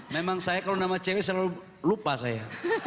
memang saya kalau nama cewek selalu lupa saya